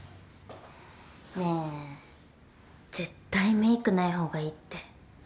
ねえ絶対メークないほうがいいって。